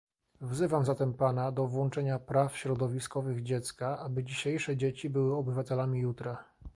Wzywam zatem pana do włączenia praw środowiskowych dziecka, aby dzisiejsze dzieci były obywatelami jutra